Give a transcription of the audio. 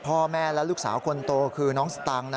พ่อแม่และลูกสาวคนโตคือน้องสตังค์